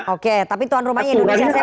oke tapi tuan rumahnya indonesia sehat